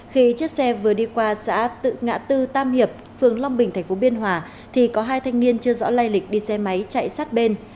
khi chiếc xe vừa đi qua xã tự ngã tư tam hiệp phường long bình tp biên hòa thì có hai thanh niên chưa rõ lây lịch đi xe máy chạy sát bên